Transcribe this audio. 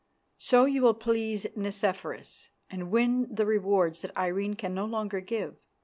So you will please Nicephorus and win the rewards that Irene can no longer give.